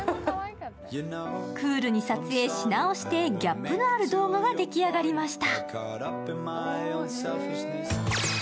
クールに撮影し直してギャップのある動画に仕上がりました。